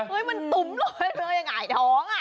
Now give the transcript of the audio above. เฮ้ยมันตุ๋มเลยมันยังอายหอม